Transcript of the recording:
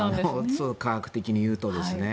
科学的に言うとですね。